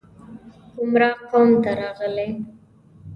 ګمراه قوم ته راغلي